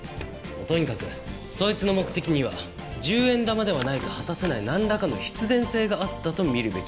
とにかくそいつの目的には１０円玉ではないと果たせないなんらかの必然性があったと見るべきだ。